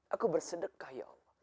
aku bersedekah ya allah